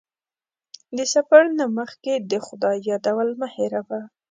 د سفر نه مخکې د خدای یادول مه هېروه.